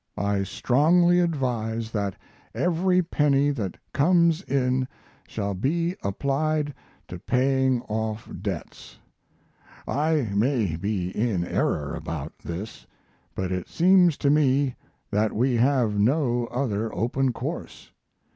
I strongly advise that every penny that comes in shall be applied to paying off debts. I may be in error about this, but it seems to me that we have no other course open.